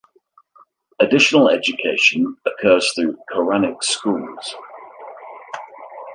Additional education occurs through Koranic schools.